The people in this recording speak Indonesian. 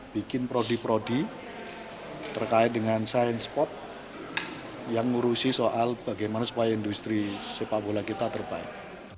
bikin prodi prodi terkait dengan science spot yang ngurusi soal bagaimana supaya industri sepak bola kita terbaik